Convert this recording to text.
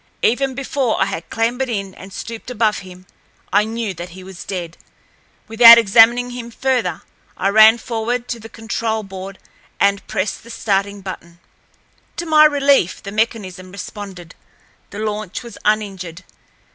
Even before I had clambered in and stooped above him I knew that he was dead. Without examining him further, I ran forward to the control board and pressed the starting button. To my relief, the mechanism responded—the launch was uninjured.